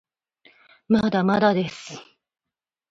まだまだです